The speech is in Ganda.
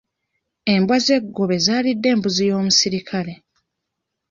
Embwa z'eggobe zaalidde embuzi y'omusirikale.